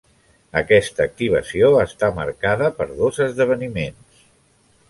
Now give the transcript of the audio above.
Aquesta activació està marcada per dos esdeveniments.